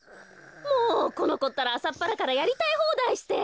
もうこのこったらあさっぱらからやりたいほうだいして。